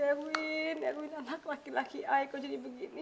erwin anak laki laki aku kamu jadi seperti ini